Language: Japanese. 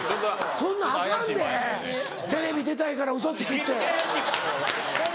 そんなんアカンでテレビ出たいからウソついて。